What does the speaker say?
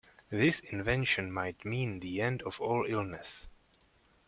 This invention might mean the end of all illness.